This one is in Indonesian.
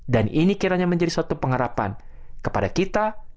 dan ini kiranya menjadi suatu pengharapan kepada kita